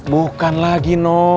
bukan lagi no